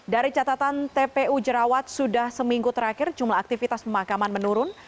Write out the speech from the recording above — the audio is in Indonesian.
dari catatan tpu jerawat sudah seminggu terakhir jumlah aktivitas pemakaman menurun